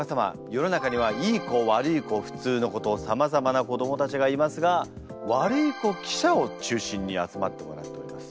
世の中にはいい子悪い子普通の子とさまざまな子どもたちがいますがワルイコ記者を中心に集まってもらっております。